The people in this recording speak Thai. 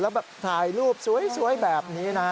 แล้วแบบถ่ายรูปสวยแบบนี้นะฮะ